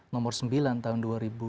nomor sembilan tahun dua ribu dua